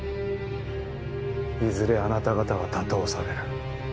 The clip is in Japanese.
いずれあなた方は打倒される。